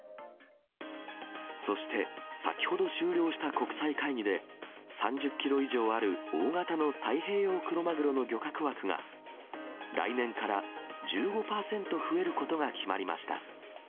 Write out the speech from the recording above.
そして先ほど終了した国際会議で、３０キロ以上ある大型の太平洋クロマグロの漁獲枠が、来年から１５％増えることが決まりました。